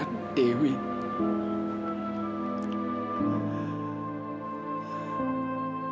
apa kamu juga sudah meninggal nak